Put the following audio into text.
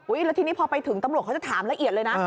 แล้วทีนี้พอไปถึงตำรวจเขาจะถามละเอียดเลยนะ